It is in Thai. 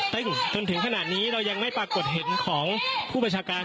ซึ่งจนถึงขนาดนี้เรายังไม่ปรากฏเห็นของผู้ประชาการ